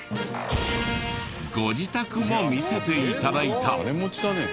ご自宅も見せて頂いた。